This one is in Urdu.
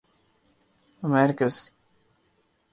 امیریکاز